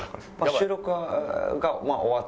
収録が終わった。